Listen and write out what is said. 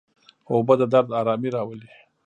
اوبه د درد آرامي راولي.